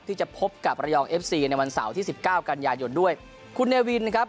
ที่จะพบกับระยองเอฟซีในวันเสาร์ที่สิบเก้ากันยายนด้วยคุณเนวินนะครับ